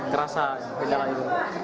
kerasa gejala ibu